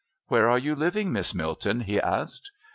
"Where are you living, Miss Milton?" he asked.